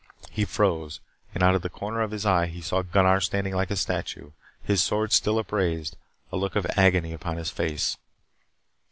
He froze, and out of the corner of his eye he saw Gunnar standing like a statue, his sword still upraised, a look of agony upon his face.